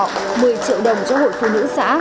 một mươi triệu đồng cho hội phụ nữ xã